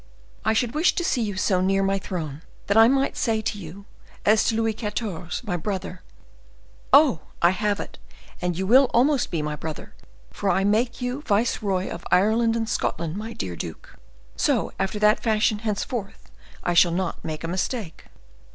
I should wish to see you so near my throne, that I might say to you, as to Louis XIV., my brother! Oh! I have it; and you will almost be my brother, for I make you viceroy of Ireland and Scotland, my dear duke. So, after that fashion, henceforward I shall not make a mistake."